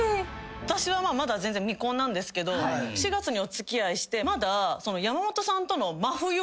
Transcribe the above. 私はまだ全然未婚なんですけど４月にお付き合いしてまだ。